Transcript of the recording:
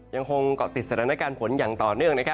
ยังคงตรีศนำราการฝนก่อติดต่อเนื้อ